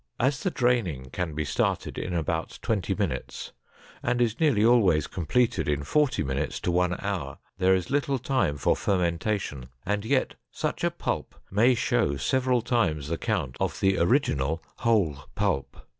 As the draining can be started in about twenty minutes, and is nearly always completed in forty minutes to one hour, there is little time for fermentation, and yet such a pulp may show several times the count of the original whole pulp.